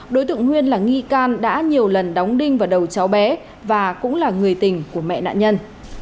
đối tượng nguyên là nghi can đã nhiều lần đóng đinh vào đầu cháu bé và cũng là người tình của mẹ nạn nhân